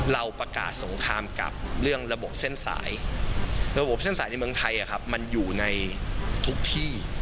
เราประกาศสงครามกับเรื่องระบบเส้นสายระบบเส้นสายในเมืองไทยมันอยู่ในทุกที่